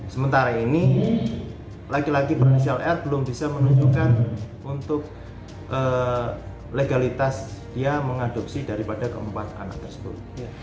sementara ini lagi lagi berinisial r belum bisa menunjukkan untuk legalitas dia mengadopsi daripada keempat anak tersebut